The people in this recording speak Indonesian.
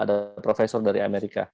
ada profesor dari amerika